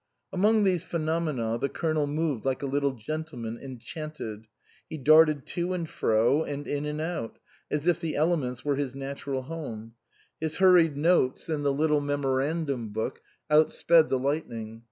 Among these phenomena the Colonel moved like a little gentleman enchanted ; he darted to and fro, and in and out, as if the elements were his natural home ; his hurried notes in the little 117 THE COSMOPOLITAN memorandum book outsped the lightning.